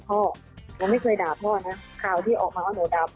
ผมไม่เคยในละกุล๒๔ปีที่ผ่านมา